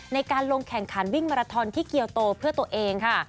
ในการลงแข่งขันวิ่งมาราทอนที่เกียวโตเพื่อตัวเองค่ะ